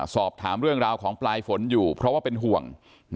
สอบถามเรื่องราวของปลายฝนอยู่เพราะว่าเป็นห่วง